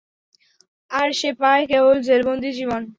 আর সে পায় কেবল জেলবন্দী জীবন।